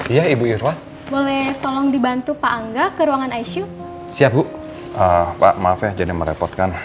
iya ibu irwan boleh tolong dibantu pak angga ke ruangan icu siapa maaf ya jadi merepotkan